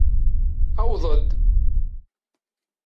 Aweḍ-d!